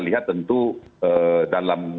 lihat tentu dalam